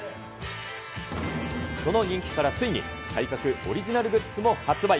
その人気からついに、体格オリジナルグッズも発売。